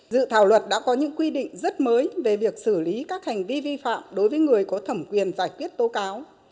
dự thảo luật đã có những quy định rất mới về việc xử lý các hành vi vi phạm đối với người có thẩm quyền giải quyết tố cáo